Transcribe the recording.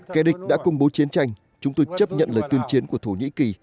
kẻ địch đã công bố chiến tranh chúng tôi chấp nhận lời tuyên chiến của thổ nhĩ kỳ